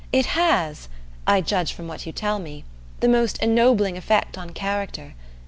It has I judge from what you tell me the most ennobling effect on character.